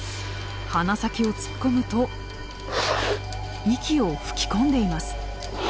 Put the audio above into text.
鼻先を突っ込むと息を吹き込んでいます。